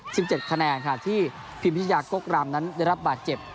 สิบเจ็ดคะแนนค่ะที่พิมพิชยากกรำนั้นได้รับบาดเจ็บ